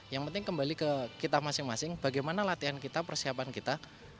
yang penting kembali ke kita masing masing bagaimana latihan kita persiapan kita